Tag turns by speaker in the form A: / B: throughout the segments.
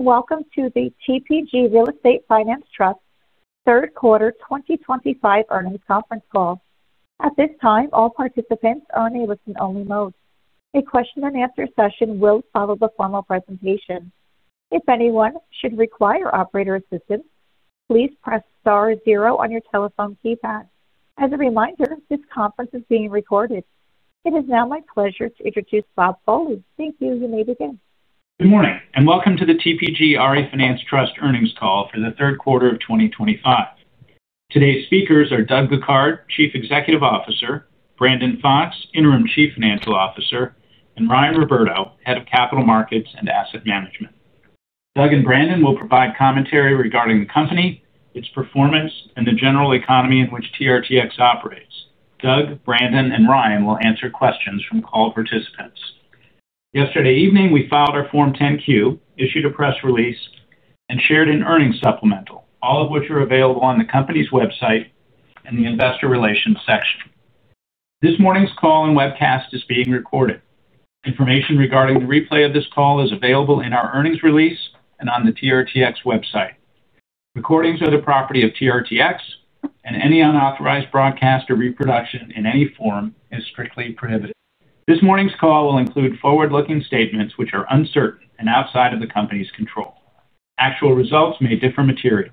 A: Welcome to the TPG RE Finance Trust's third quarter 2025 earnings conference call. At this time, all participants are in a listen-only mode. A question-and-answer session will follow the formal presentation. If anyone should require operator assistance, please press star zero on your telephone keypad. As a reminder, this conference is being recorded. It is now my pleasure to introduce Bob Foley. Thank you. You may begin.
B: Good morning and welcome to the TPG RE Finance Trust earnings call for the third quarter of 2025. Today's speakers are Doug Bouquard, Chief Executive Officer, Brandon Fox, Interim Chief Financial Officer, and Ryan Roberto, Head of Capital Markets and Asset Management. Doug and Brandon will provide commentary regarding the company, its performance, and the general economy in which TRTX operates. Doug, Brandon, and Ryan will answer questions from call participants. Yesterday evening, we filed our Form 10-Q, issued a press release, and shared an earnings supplemental, all of which are available on the company's website in the Investor Relations section. This morning's call and webcast is being recorded. Information regarding the replay of this call is available in our earnings release and on the TRTX website. Recordings are the property of TRTX, and any unauthorized broadcast or reproduction in any form is strictly prohibited. This morning's call will include forward-looking statements which are uncertain and outside of the company's control. Actual results may differ materially.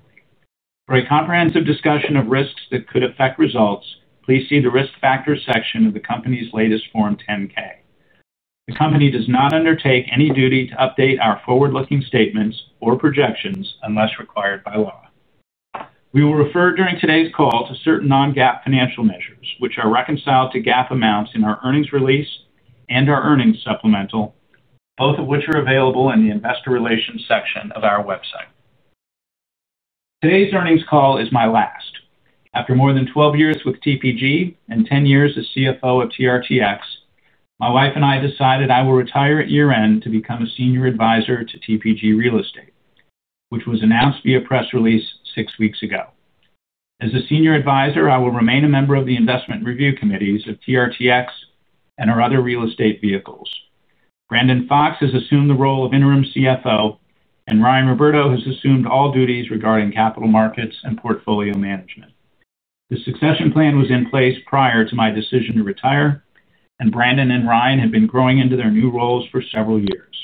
B: For a comprehensive discussion of risks that could affect results, please see the Risk Factors section of the company's latest Form 10-K. The company does not undertake any duty to update our forward-looking statements or projections unless required by law. We will refer during today's call to certain non-GAAP financial measures, which are reconciled to GAAP amounts in our earnings release and our earnings supplemental, both of which are available in the Investor Relations section of our website. Today's earnings call is my last. After more than 12 years with TPG and 10 years as CFO of TRTX, my wife and I decided I will retire at year end to become a senior advisor to TPG Real Estate, which was announced via press release six weeks ago. As a Senior Advisor, I will remain a member of the investment review committees of TRTX and our other real estate vehicles. Brandon Fox has assumed the role of Interim CFO, and Ryan Roberto has assumed all duties regarding capital markets and portfolio management. The succession plan was in place prior to my decision to retire, and Brandon and Ryan have been growing into their new roles for several years.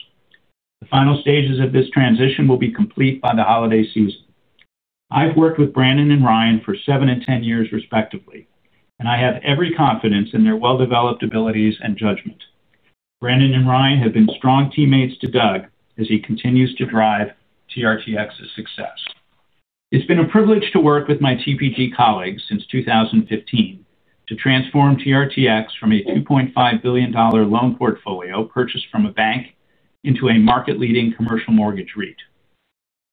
B: The final stages of this transition will be complete by the holiday season. I've worked with Brandon and Ryan for seven and 10 years respectively, and I have every confidence in their well-developed abilities and judgment. Brandon and Ryan have been strong teammates to Doug as he continues to drive TRTX's success. It's been a privilege to work with my TPG colleagues since 2015 to transform TRTX from a $2.5 billion loan portfolio purchased from a bank into a market-leading commercial mortgage REIT.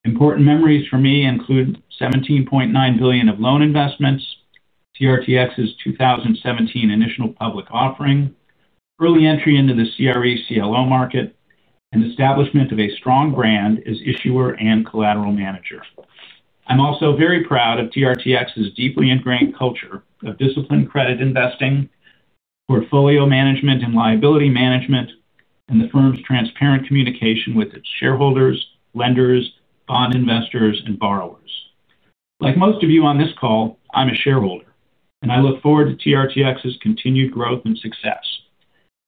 B: Important memories for me include $17.9 billion of loan investments, TRTX's 2017 initial public offering, early entry into the CRE/CLO market, and establishment of a strong brand as issuer and collateral manager. I'm also very proud of TRTX's deeply ingrained culture of disciplined credit investing, portfolio management, and liability management, and the firm's transparent communication with its shareholders, lenders, bond investors, and borrowers. Like most of you on this call, I'm a shareholder, and I look forward to TRTX's continued growth and success.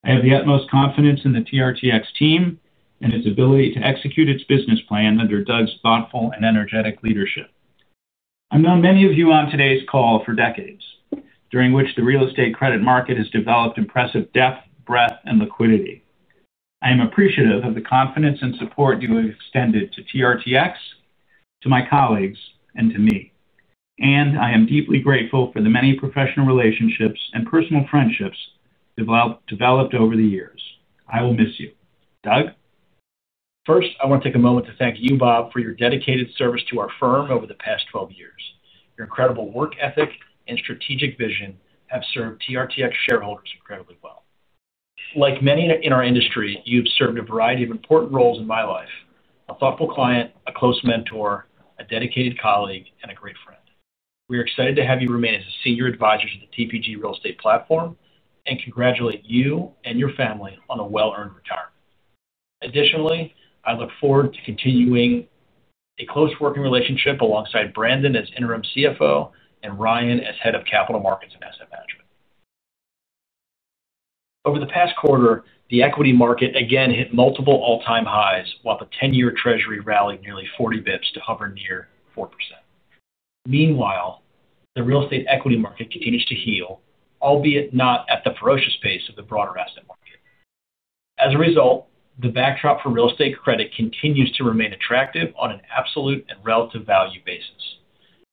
B: I have the utmost confidence in the TRTX team and its ability to execute its business plan under Doug's thoughtful and energetic leadership. I've known many of you on today's call for decades, during which the real estate credit market has developed impressive depth, breadth, and liquidity. I am appreciative of the confidence and support you have extended to TRTX, to my colleagues, and to me, and I am deeply grateful for the many professional relationships and personal friendships developed over the years. I will miss you. Doug?
C: First, I want to take a moment to thank you, Bob, for your dedicated service to our firm over the past 12 years. Your incredible work ethic and strategic vision have served TRTX shareholders incredibly well. Like many in our industry, you've served a variety of important roles in my life: a thoughtful client, a close mentor, a dedicated colleague, and a great friend. We are excited to have you remain as a Senior Advisor to the TPG Real Estate platform and congratulate you and your family on a well-earned retirement. Additionally, I look forward to continuing a close working relationship alongside Brandon as Interim CFO and Ryan as Head of Capital Markets and Asset Management. Over the past quarter, the equity market again hit multiple all-time highs, while the 10-year Treasury rallied nearly 40 basis points to hover near 4%. Meanwhile, the real estate equity market continues to heal, albeit not at the ferocious pace of the broader asset market. As a result, the backdrop for real estate credit continues to remain attractive on an absolute and relative value basis.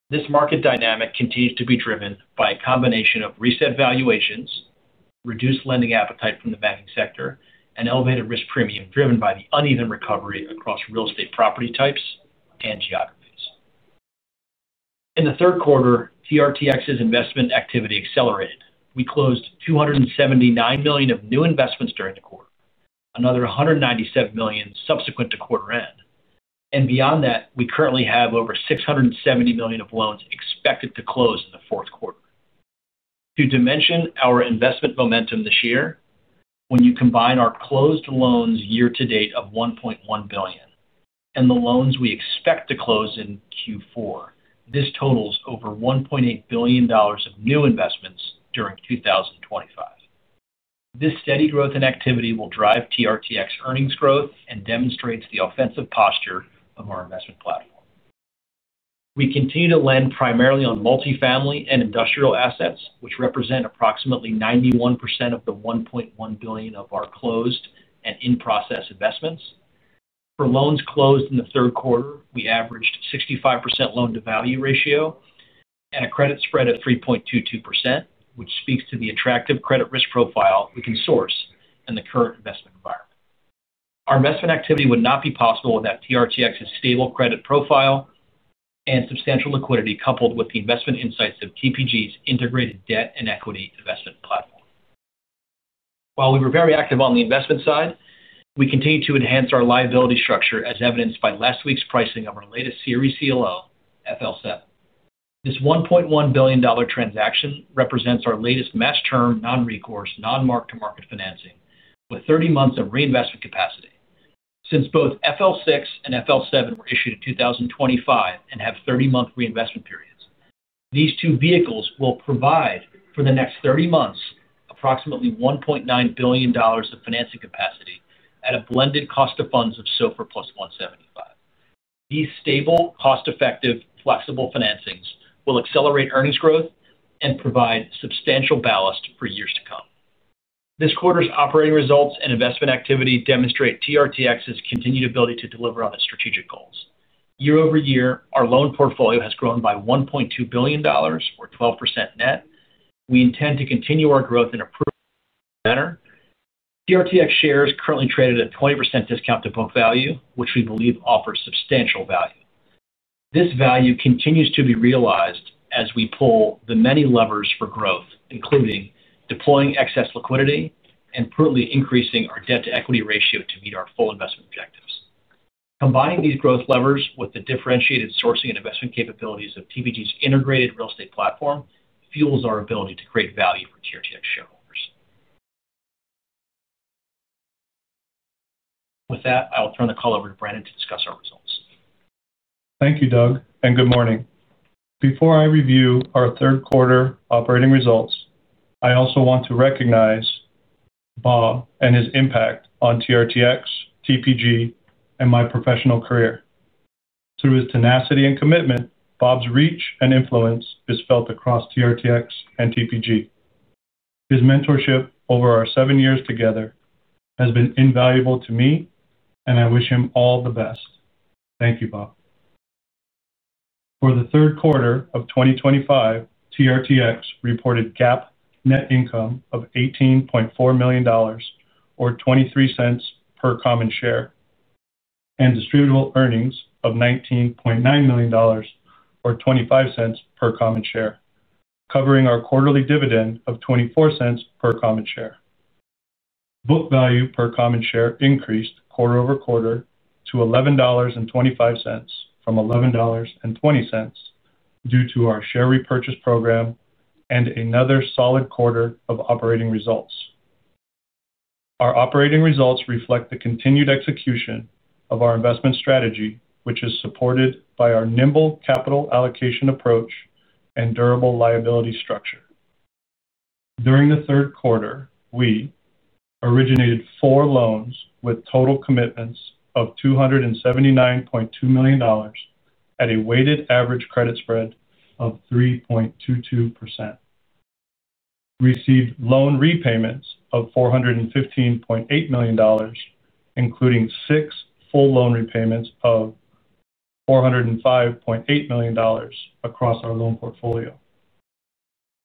C: This market dynamic continues to be driven by a combination of reset valuations, reduced lending appetite from the banking sector, and elevated risk premium driven by the uneven recovery across real estate property types and geographies. In the third quarter, TRTX's investment activity accelerated. We closed $279 million of new investments during the quarter, another $197 million subsequent to quarter end, and beyond that, we currently have over $670 million of loans expected to close in the fourth quarter. To dimension our investment momentum this year, when you combine our closed loans year to date of $1.1 billion and the loans we expect to close in Q4, this totals over $1.8 billion of new investments during 2024. This steady growth in activity will drive TRTX earnings growth and demonstrates the offensive posture of our investment platform. We continue to lend primarily on multifamily and industrial assets, which represent approximately 91% of the $1.1 billion of our closed and in-process investments. For loans closed in the third quarter, we averaged a 65% loan-to-value ratio and a credit spread of 3.22%, which speaks to the attractive credit risk profile we can source in the current investment environment. Our investment activity would not be possible without TRTX's stable credit profile and substantial liquidity, coupled with the investment insights of TPG's integrated debt and equity investment platform. While we were very active on the investment side, we continue to enhance our liability structure as evidenced by last week's pricing of our latest CRE/CLO, FL7. This $1.1 billion transaction represents our latest matched-term, non-recourse, non-mark-to-market financing with 30 months of reinvestment capacity. Since both FL6 and FL7 were issued in 2023 and have 30-month reinvestment periods, these two vehicles will provide for the next 30 months approximately $1.9 billion of financing capacity at a blended cost of funds of SOFR plus 175 basis points. These stable, cost-effective, flexible financings will accelerate earnings growth and provide substantial ballast for years to come. This quarter's operating results and investment activity demonstrate TRTX's continued ability to deliver on its strategic goals. Year-over-year, our loan portfolio has grown by $1.2 billion, or 12% net. We intend to continue our growth in a proven manner. TRTX shares currently trade at a 20% discount to book value, which we believe offers substantial value. This value continues to be realized as we pull the many levers for growth, including deploying excess liquidity and prudently increasing our debt-to-equity ratio to meet our full investment objectives. Combining these growth levers with the differentiated sourcing and investment capabilities of TPG's integrated real estate platform fuels our ability to create value for TRTX shareholders. With that, I will turn the call over to Brandon to discuss our results.
D: Thank you, Doug, and good morning. Before I review our third quarter operating results, I also want to recognize Bob and his impact on TRTX, TPG, and my professional career. Through his tenacity and commitment, Bob's reach and influence is felt across TRTX and TPG. His mentorship over our seven years together has been invaluable to me, and I wish him all the best. Thank you, Bob. For the third quarter of 2025, TRTX reported GAAP net income of $18.4 million, or $0.23 per common share, and distributable earnings of $19.9 million, or $0.25 per common share, covering our quarterly dividend of $0.24 per common share. Book value per common share increased quarter over quarter to $11.25 from $11.20 due to our share repurchase program and another solid quarter of operating results. Our operating results reflect the continued execution of our investment strategy, which is supported by our nimble capital allocation approach and durable liability structure. During the third quarter, we originated four loans with total commitments of $279.2 million at a weighted average credit spread of 3.22%. We received loan repayments of $415.8 million, including six full loan repayments of $405.8 million across our loan portfolio.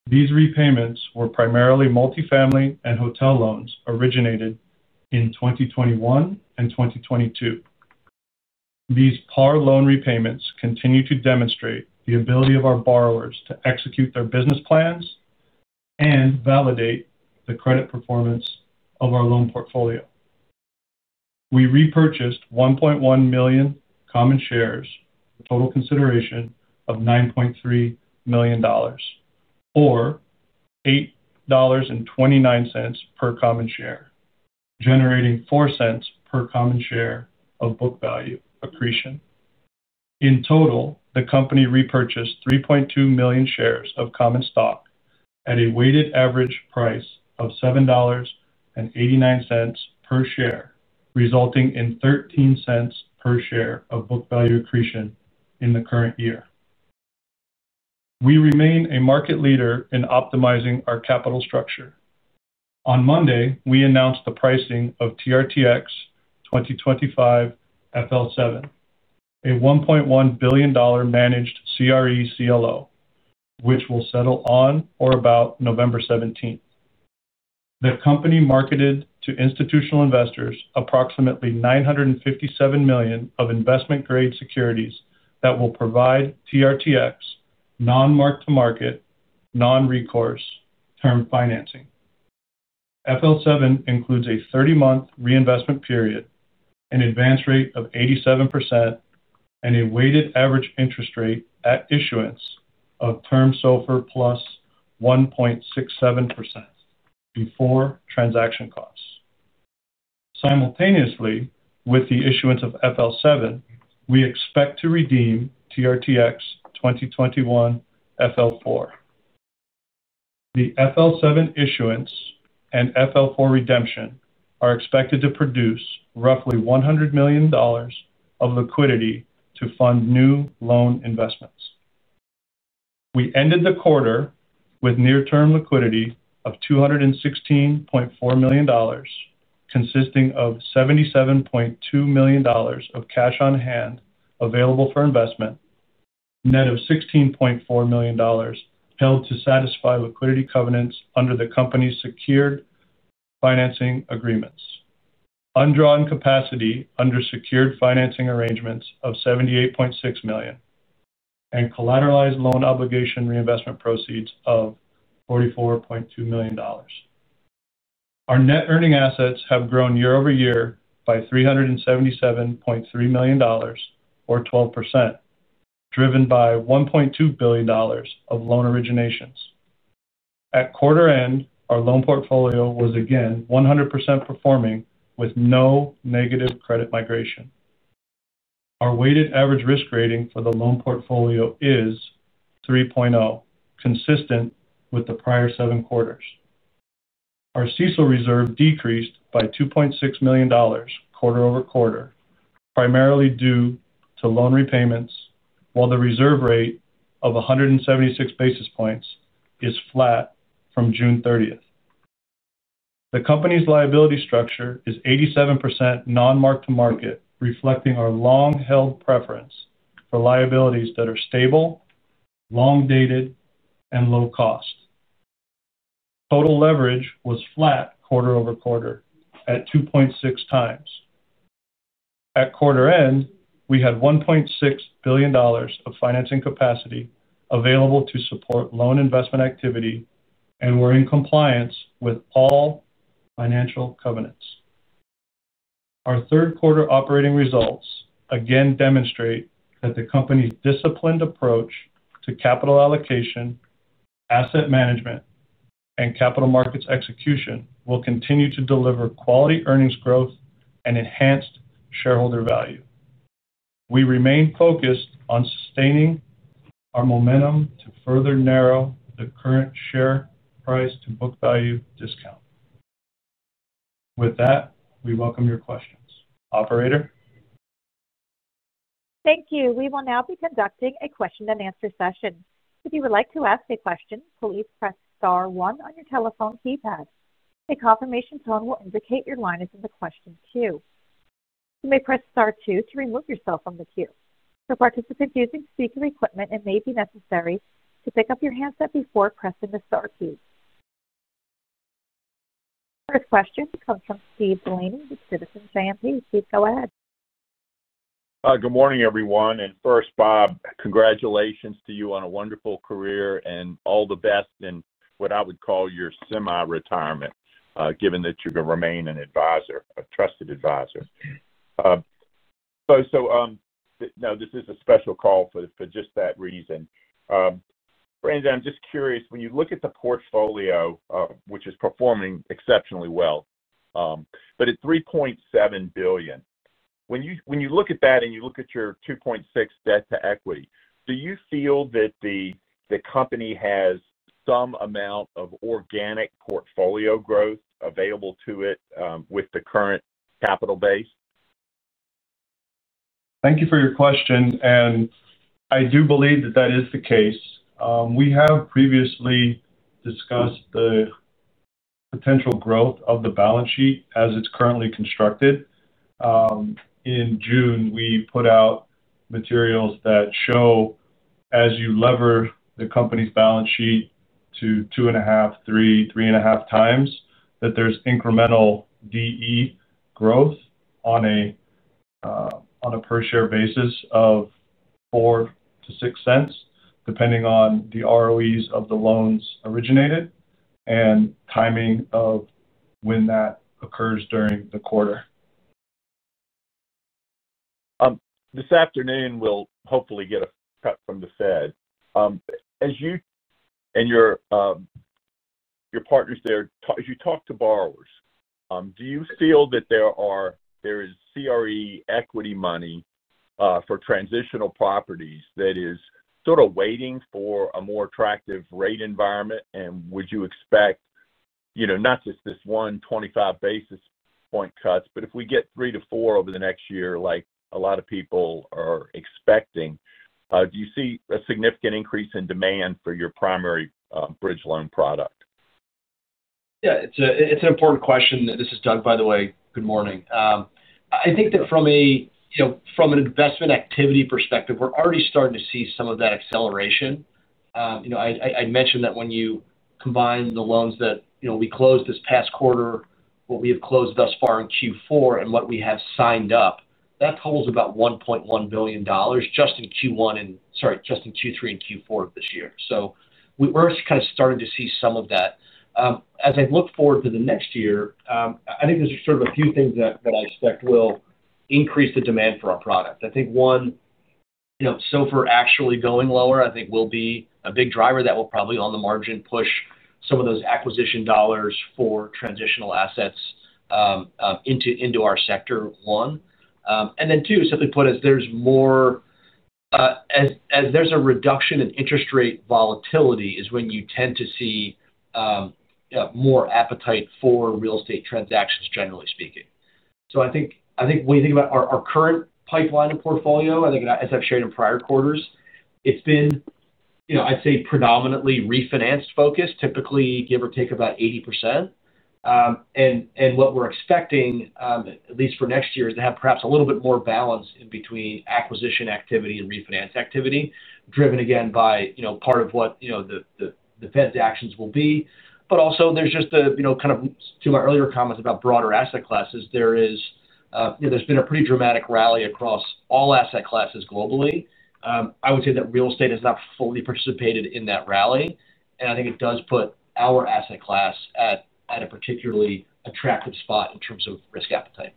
D: These repayments were primarily multifamily and hotel loans originated in 2021 and 2022. These par loan repayments continue to demonstrate the ability of our borrowers to execute their business plans and validate the credit performance of our loan portfolio. We repurchased 1.1 million common shares for a total consideration of $9.3 million or $8.29 per common share, generating $0.04 per common share of book value accretion. In total, the company repurchased 3.2 million shares of common stock at a weighted average price of $7.89 per share, resulting in $0.13 per share of book value accretion in the current year. We remain a market leader in optimizing our capital structure. On Monday, we announced the pricing of TRTX 2025 FL7, a $1.1 billion managed CRE/CLO, which will settle on or about November 17th. The company marketed to institutional investors approximately $957 million of investment-grade securities that will provide TRTX non-mark-to-market, non-recourse term financing. FL7 includes a 30-month reinvestment period, an advance rate of 87%, and a weighted average interest rate at issuance of term SOFR plus 1.67% before transaction costs. Simultaneously, with the issuance of FL7, we expect to redeem TRTX 2021 FL4. The FL7 issuance and FL4 redemption are expected to produce roughly $100 million of liquidity to fund new loan investments. We ended the quarter with near-term liquidity of $216.4 million, consisting of $77.2 million of cash on hand available for investment, a net of $16.4 million held to satisfy liquidity covenants under the company's secured financing agreements, undrawn capacity under secured financing arrangements of $78.6 million, and collateralized loan obligation reinvestment proceeds of $44.2 million. Our net earning assets have grown year-over-year by $377.3 million or 12%, driven by $1.2 billion of loan originations. At quarter end, our loan portfolio was again 100% performing with no negative credit migration. Our weighted average risk rating for the loan portfolio is 3.0, consistent with the prior seven quarters. Our CISL reserve decreased by $2.6 million quarter over quarter, primarily due to loan repayments, while the reserve rate of 176 basis points is flat from June 30th. The company's liability structure is 87% non-mark-to-market, reflecting our long-held preference for liabilities that are stable, long-dated, and low-cost. Total leverage was flat quarter over quarter at 2.6x. At quarter end, we had $1.6 billion of financing capacity available to support loan investment activity and were in compliance with all financial covenants. Our third quarter operating results again demonstrate that the company's disciplined approach to capital allocation, asset management, and capital markets execution will continue to deliver quality earnings growth and enhanced shareholder value. We remain focused on sustaining our momentum to further narrow the current share price to book value discount. With that, we welcome your questions. Operator?
A: Thank you. We will now be conducting a question-and-answer session. If you would like to ask a question, please press star one on your telephone keypad. A confirmation tone will indicate your line is in the question queue. You may press star two to remove yourself from the queue. For participants using speaker equipment, it may be necessary to pick up your handset before pressing the star key. First question comes from Steve Delaney with JMP Securities. Steve, go ahead.
D: Good morning, everyone. First, Bob, congratulations to you on a wonderful career and all the best in what I would call your semi-retirement, given that you're going to remain an advisor, a trusted advisor. This is a special call for just that reason. Brandon, I'm just curious, when you look at the portfolio, which is performing exceptionally well, but at $3.7 billion, when you look at that and you look at your 2.6 debt to equity, do you feel that the company has some amount of organic portfolio growth available to it with the current capital base? Thank you for your question, and I do believe that that is the case. We have previously discussed the potential growth of the balance sheet as it's currently constructed. In June, we put out materials that show, as you lever the company's balance sheet to 2.5x, 3x, 3.5x, that there's incremental DE growth on a per-share basis of $0.04 to $0.06, depending on the ROEs of the loans originated and timing of when that occurs during the quarter. This afternoon, we'll hopefully get a cut from the Fed. As you and your partners there, as you talk to borrowers, do you feel that there is CRE equity money for transitional properties that is sort of waiting for a more attractive rate environment? Would you expect, you know, not just this one 25 basis point cut, but if we get three to four over the next year, like a lot of people are expecting, do you see a significant increase in demand for your primary bridge loan product?
C: Yeah, it's an important question. This is Doug, by the way. Good morning. I think that from an investment activity perspective, we're already starting to see some of that acceleration. I mentioned that when you combine the loans that we closed this past quarter, what we have closed thus far in Q4, and what we have signed up, that totals about $1.1 billion just in Q3 and Q4 of this year. We're kind of starting to see some of that. As I look forward to next year, I think there's sort of a few things that I expect will increase the demand for our product. I think one, SOFR actually going lower, I think will be a big driver that will probably on the margin push some of those acquisition dollars for transitional assets into our sector, one. Two, simply put, as there's a reduction in interest rate volatility is when you tend to see more appetite for real estate transactions, generally speaking. I think when you think about our current pipeline of portfolio, as I've shared in prior quarters, it's been, I'd say, predominantly refinanced focused, typically give or take about 80%. What we're expecting, at least for next year, is to have perhaps a little bit more balance in between acquisition activity and refinance activity, driven again by part of what the Fed's actions will be. Also, to my earlier comments about broader asset classes, there has been a pretty dramatic rally across all asset classes globally. I would say that real estate has not fully participated in that rally, and I think it does put our asset class at a particularly attractive spot in terms of risk appetite.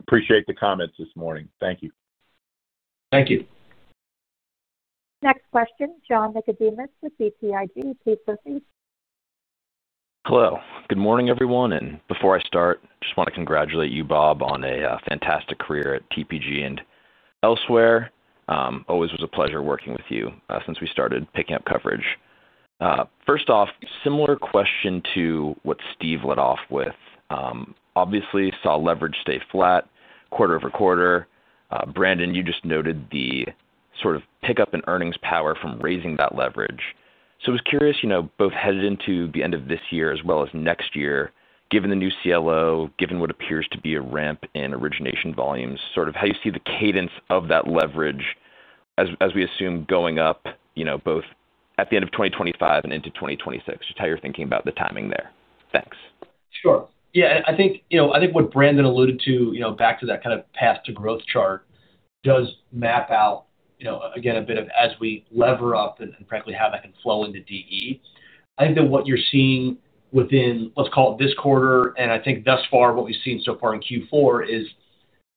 E: Appreciate the comments this morning. Thank you.
C: Thank you.
A: Next question, John Nicodemus with BTIG, please proceed.
F: Hello. Good morning, everyone. Before I start, I just want to congratulate you, Bob, on a fantastic career at TPG and elsewhere. Always was a pleasure working with you since we started picking up coverage. First off, similar question to what Steve led off with. Obviously, saw leverage stay flat quarter over quarter. Brandon, you just noted the sort of pickup in earnings power from raising that leverage. I was curious, both headed into the end of this year as well as next year, given the new CLO, given what appears to be a ramp in origination volumes, how you see the cadence of that leverage as we assume going up, both at the end of 2025 and into 2026, just how you're thinking about the timing there. Thanks.
C: Sure. I think what Brandon alluded to, back to that kind of path to growth chart, does map out, again, a bit of as we lever up and practically how that can flow into DE. I think that what you're seeing within, let's call it this quarter, and I think thus far what we've seen so far in Q4 is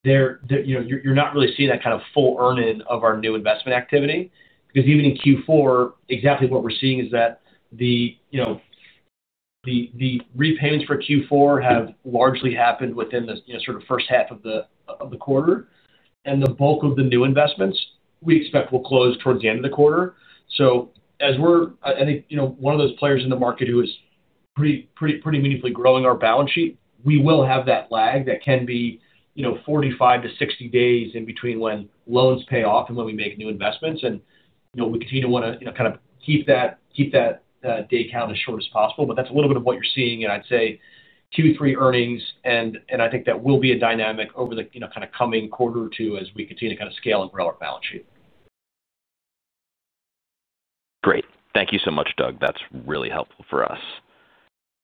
C: there, you're not really seeing that kind of full earn-in of our new investment activity because even in Q4, exactly what we're seeing is that the repayments for Q4 have largely happened within the first half of the quarter. The bulk of the new investments we expect will close towards the end of the quarter. As we're one of those players in the market who is pretty meaningfully growing our balance sheet, we will have that lag that can be 45-60 days in between when loans pay off and when we make new investments. We continue to want to keep that day count as short as possible. That's a little bit of what you're seeing in, I'd say, Q3 earnings. I think that will be a dynamic over the coming quarter or two as we continue to scale and grow our balance sheet.
F: Great. Thank you so much, Doug. That's really helpful for us.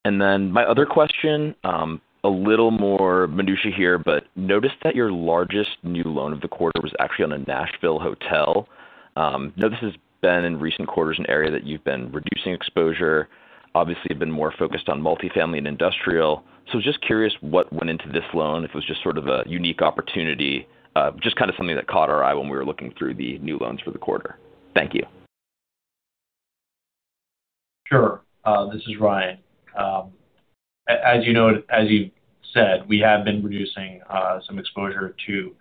F: My other question, a little more minutiae here, but noticed that your largest new loan of the quarter was actually on a Nashville hotel. Now, this has been in recent quarters an area that you've been reducing exposure. Obviously, you've been more focused on multifamily and industrial. Just curious what went into this loan, if it was just sort of a unique opportunity, just kind of something that caught our eye when we were looking through the new loans for the quarter. Thank you.
G: Sure. This is Ryan. As you know, as you said, we have been reducing some exposure to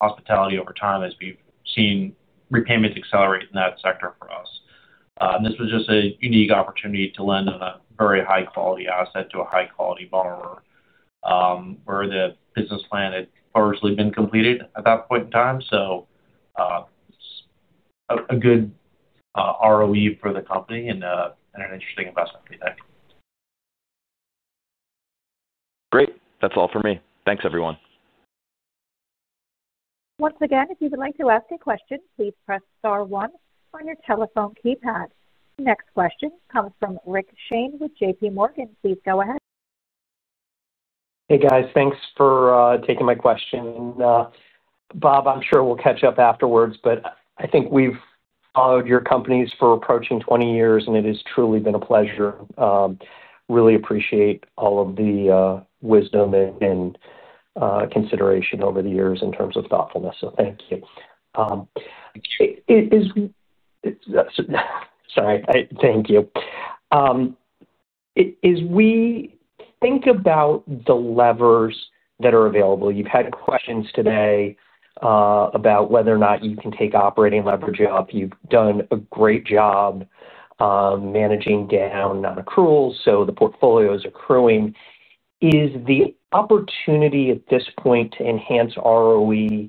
G: hospitality over time as we've seen repayments accelerate in that sector for us. This was just a unique opportunity to lend on a very high-quality asset to a high-quality borrower, where the business plan had largely been completed at that point in time. It's a good ROE for the company and an interesting investment for the bank.
F: Great. That's all for me. Thanks, everyone.
A: Once again, if you would like to ask a question, please press star one on your telephone keypad. Next question comes from Rick Shane with JPMorgan. Please go ahead.
H: Hey, guys. Thanks for taking my question. Bob, I'm sure we'll catch up afterwards, but I think we've followed your companies for approaching 20 years, and it has truly been a pleasure. I really appreciate all of the wisdom and consideration over the years in terms of thoughtfulness. Thank you. As we think about the levers that are available, you've had questions today about whether or not you can take operating leverage up. You've done a great job managing down non-accruals, so the portfolio is accruing. Is the opportunity at this point to enhance ROE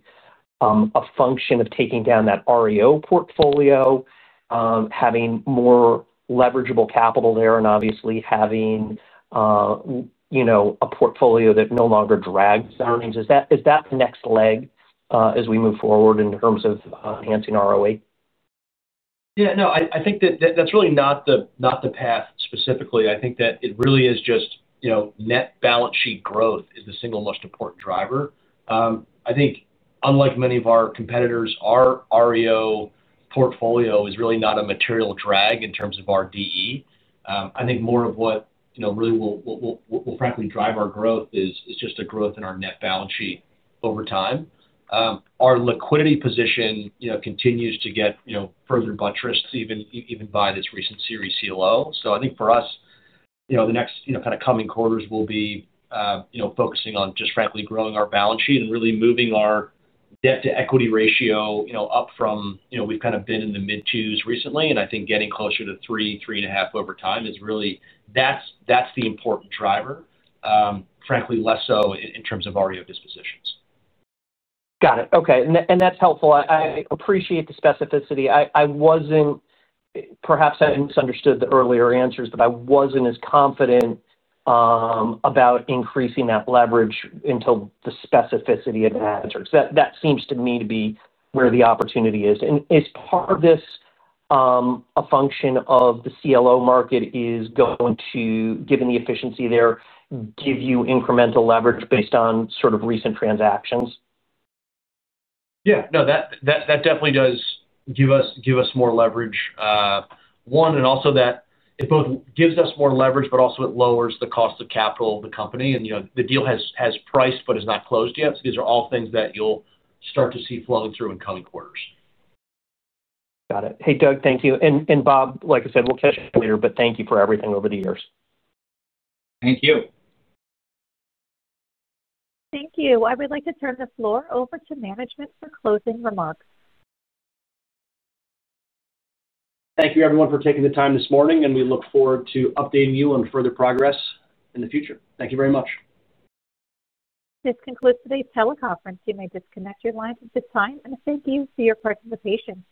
H: a function of taking down that REO portfolio, having more leverageable capital there, and obviously having a portfolio that no longer drags the earnings? Is that the next leg as we move forward in terms of enhancing ROE?
C: Yeah, no, I think that that's really not the path specifically. I think that it really is just, you know, net balance sheet growth is the single most important driver. I think unlike many of our competitors, our REO portfolio is really not a material drag in terms of our DE. I think more of what really will, frankly, drive our growth is just the growth in our net balance sheet over time. Our liquidity position continues to get further buttressed even by this recent CRE/CLO. I think for us, the next coming quarters will be focusing on just frankly growing our balance sheet and really moving our debt-to-equity ratio up from, you know, we've kind of been in the mid 2s recently. I think getting closer to 3, 3.5 over time is really, that's the important driver. Frankly, less so in terms of REO dispositions.
H: Got it. Okay. That's helpful. I appreciate the specificity. I wasn't, perhaps I misunderstood the earlier answers, but I wasn't as confident about increasing that leverage until the specificity of that answer because that seems to me to be where the opportunity is. Is part of this a function of the CLO market is going to, given the efficiency there, give you incremental leverage based on sort of recent transactions?
C: Yeah, no, that definitely does give us more leverage, one, and also that it both gives us more leverage, but also it lowers the cost of capital of the company. You know, the deal has priced but is not closed yet. These are all things that you'll start to see flowing through in coming quarters.
H: Got it. Hey, Doug, thank you. Bob, like I said, we'll catch up later, but thank you for everything over the years.
C: Thank you.
A: Thank you. I would like to turn the floor over to management for closing remarks.
C: Thank you, everyone, for taking the time this morning. We look forward to updating you on further progress in the future. Thank you very much.
A: This concludes today's teleconference. You may disconnect your lines at this time, and thank you for your participation.